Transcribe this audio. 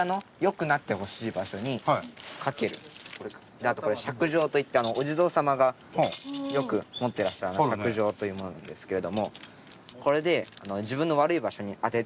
あとこれ錫杖といってお地蔵様がよく持ってらっしゃる錫杖というものなんですけれども。